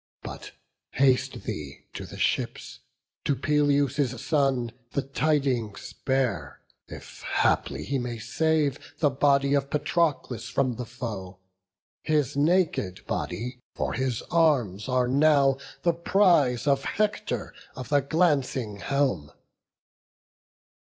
But haste thee to the ships, to Peleus' son The tidings bear, if haply he may save The body of Patroclus from the foe; His naked body, for his arms are now The prize of Hector of the glancing helm."